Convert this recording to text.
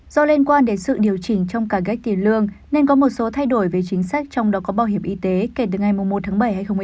do liên quan đến sự điều chỉnh trong cả gách tiền lương nên có một số thay đổi về chính sách trong đó có bảo hiểm y tế kể từ ngày một tháng bảy hai nghìn hai mươi bốn